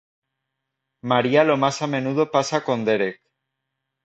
María lo más a menudo pasa con Derek.